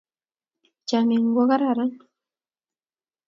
Chomyet ng'uung ko kararan